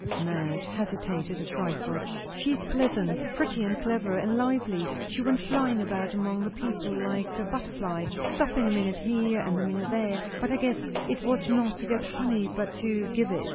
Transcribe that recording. Madge hesitated a trifle. "She is pleasant, pretty, and clever, and lively; she went flying about among the people like a butterfly, stopping a minute here and a minute there, but I guess it was not to get honey but to give it.